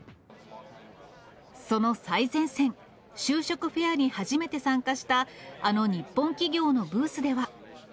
その最前線、就職フェアに初めて参加した、あの日本企業のブースでは。